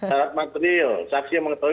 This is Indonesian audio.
syarat materil saksi yang mengetahui